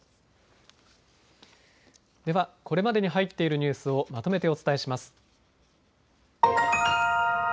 では、これまでに入っているニュースをまとめてお伝えします。